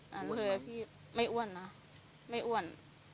รสถานะเลยอะพี่ไม่อ้วนนะไม่อ้วน